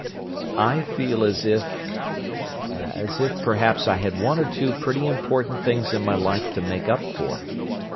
"I feel as if—as if perhaps I had one or two pretty important things in my life to make up for.